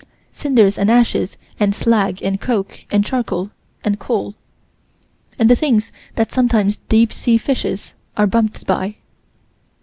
Cinders and ashes and slag and coke and charcoal and coal. And the things that sometimes deep sea fishes are bumped by.